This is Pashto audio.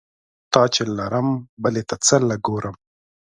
تا چې لرم بلې ته څه له ګورم؟